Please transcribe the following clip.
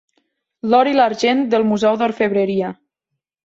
L'or i l'argent del Museu d'Orfebreria.